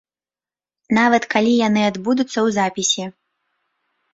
Нават калі яны адбудуцца ў запісе.